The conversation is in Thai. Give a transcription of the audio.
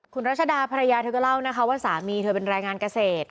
คุณรัชดาภรรยาเธอก็เล่านะคะว่าสามีเธอเป็นแรงงานเกษตร